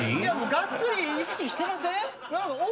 がっつり意識してません？